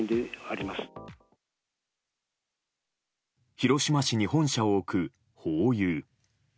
広島市に本社を置くホーユー。